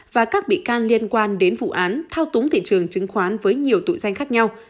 và các bị can liên quan đến vụ án thao túng thị trường chứng khoán với nhiều tội danh khác nhau